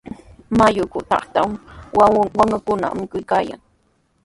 Mayu kutruntraw waakakuna mikuykaayan.